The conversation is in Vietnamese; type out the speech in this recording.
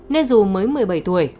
nên dù mới một mươi bảy tuổi